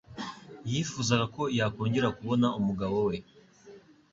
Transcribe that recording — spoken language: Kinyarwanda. yifuzaga ko yakongera kubona umugabo we,